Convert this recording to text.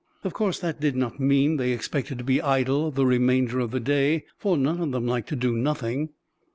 Of course, that did not mean they expected to be idle the remainder of the day, for none of them liked to do nothing.